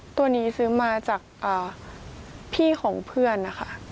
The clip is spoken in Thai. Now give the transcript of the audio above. ตัวนี้ซื้อมาจากพี่ของเพื่อนนะคะ